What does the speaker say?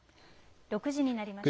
６時になりました。